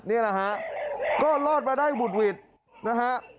นี่นะฮะก็รอดมาได้บุตรวิทย์นะฮะ